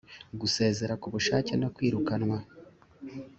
gusezera k ubushake no kwirukanwa